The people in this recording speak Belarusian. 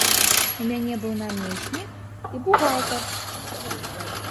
У мяне быў намеснік і бухгалтар.